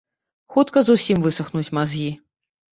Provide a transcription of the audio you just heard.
Хутка зусім высахнуць мазгі.